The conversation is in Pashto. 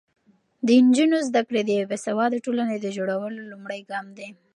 د نجونو زده کړه د یوې باسواده ټولنې د جوړولو لومړی ګام دی.